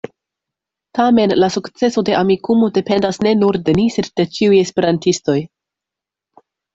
Tamen, la sukceso de Amikumu dependas ne nur de ni, sed de ĉiuj esperantistoj.